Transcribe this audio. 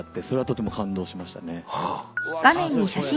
それはとても感動しましたね。